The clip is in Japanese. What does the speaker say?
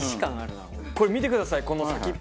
これ見てくださいこの先っぽ。